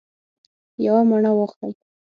یوه مڼه واخلئ